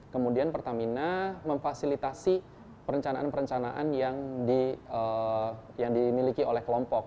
kemudian pertamina memfasilitasi perencanaan perencanaan yang dimiliki oleh kelompok